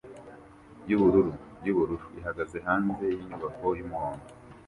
yubururu yubururu ihagaze hanze yinyubako yumuhondo